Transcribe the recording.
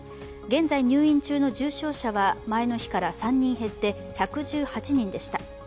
現在、入院中の重症者は前の日から３人減って１１８人でした。